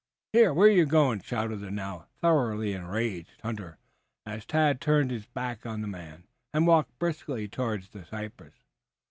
"Here, where you going?" shouted the now thoroughly enraged hunter as Tad turned his back on the man and walked briskly towards the cypress.